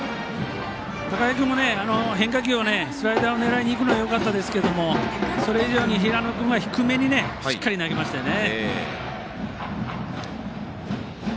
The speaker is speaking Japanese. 高木君も変化球をスライダーを狙いにいくのもよかったですけどもそれ以上に平野君が低めにしっかり投げましたよね。